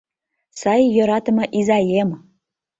Сай йӧратыме изаем...